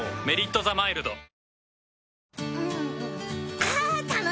「メリットザマイルド」